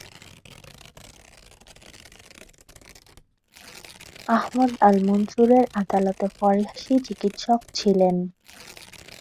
আহমদ আল-মনসুরের আদালতে ফরাসি চিকিৎসক ছিলেন।